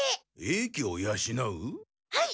はい。